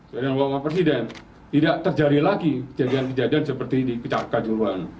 sehingga bapak presiden tidak terjadi lagi kejadian kejadian seperti ini di pecahkan juruhan